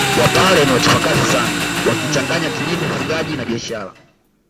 Wapare ni wachapakazi sana wakichanganya kilimo ufugaji na biashara